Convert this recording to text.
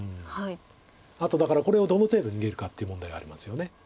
あとだからこれをどの程度逃げるかっていう問題がありますよね。